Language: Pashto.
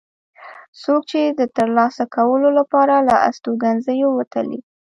څوک چې د ترلاسه کولو لپاره له استوګنځیو وتلي.